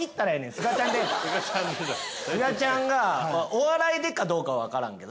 すがちゃんがお笑いでかどうかはわからんけど。